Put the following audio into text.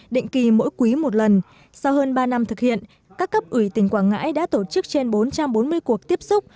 định kỳ mỗi quý một lần sau hơn ba năm thực hiện các cấp ủy tỉnh quảng ngãi đã tổ chức trên bốn trăm bốn mươi cuộc tiếp xúc